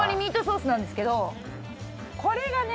これがね